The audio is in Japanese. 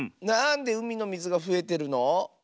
なんでうみのみずがふえてるの？